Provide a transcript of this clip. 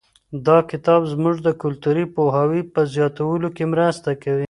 دا کتاب زموږ د کلتوري پوهاوي په زیاتولو کې مرسته کوي.